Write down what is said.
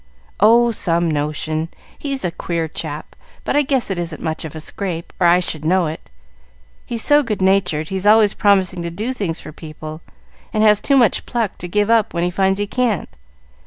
"Oh, some notion. He's a queer chap; but I guess it isn't much of a scrape, or I should know it. He's so good natured he's always promising to do things for people, and has too much pluck to give up when he finds he can't.